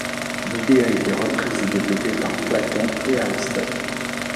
L'idée a été reprise et développée par Platon et Aristote.